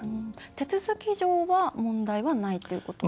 手続き上は問題はないということ？